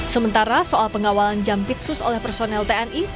sementara soal pengawalan jampitsus oleh personel tni